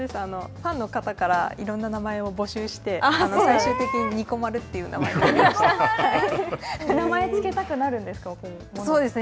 ファンの方からいろんな名前を募集して、最終的に名前を付けたくなるんですか、そうですね。